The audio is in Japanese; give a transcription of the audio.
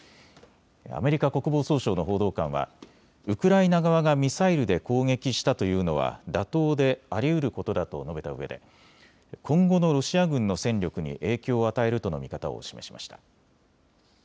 アメリカ国防総省の報道官はウクライナ側がミサイルで攻撃したというのは妥当でありうることだと述べたうえで今後のロシア軍の戦力に影響を与えるとの見方を示しました。